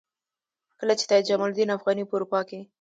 کله چې سید جمال الدین افغاني په اروپا کې.